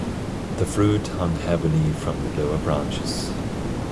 The fruit hung heavily from the lower branches.